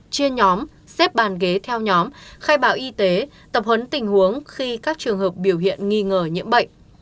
chia nhóm xếp bàn ghế theo nhóm khai báo y tế tập huấn tình huống khi các trường hợp biểu hiện nghi ngờ nhiễm bệnh